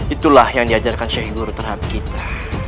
itulah yang diajarkan sheikh guru terhadap kita